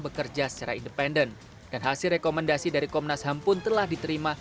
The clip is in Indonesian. bekerja secara independen dan hasil rekomendasi dari komnas ham pun telah diterima